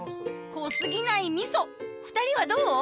濃過ぎない味噌２人はどう？